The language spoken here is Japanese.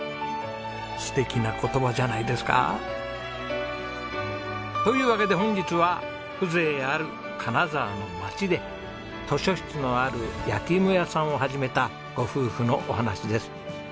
素敵な言葉じゃないですか。というわけで本日は風情ある金沢の街で図書室のある焼き芋屋さんを始めたご夫婦のお話です。